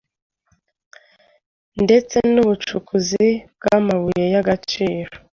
ndetse n’ubucukuzi bw’amabuye y’agaciro